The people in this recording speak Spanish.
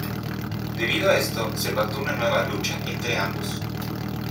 Debido a esto, se pacto una nueva lucha entre ambos.